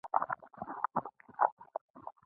د بزګر لپاره ملاتړ اړین دی